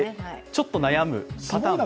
ちょっと悩むパターン。